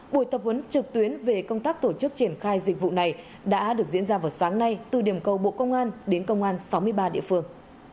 buổi tập huấn trực tuyến về công tác tổ chức triển khai dịch vụ này đã được diễn ra vào sáng nay từ điểm cầu bộ công an đến công an sáu mươi ba địa phương